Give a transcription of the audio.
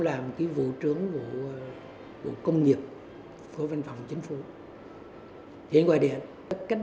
nay là bộ công nghiệp thực hiện dự án này